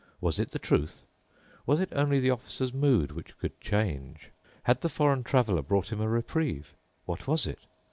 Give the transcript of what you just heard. Was it the truth? Was it only the Officer's mood, which could change? Had the foreign Traveler brought him a reprieve? What was it?